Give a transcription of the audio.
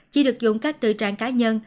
chỉ được dùng các tư trang cá nhân